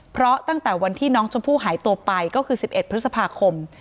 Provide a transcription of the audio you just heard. เพราะตั้งแต่วันที่น้องชมพู่หายตัวไปก็คือ๑๑พฤษภาคม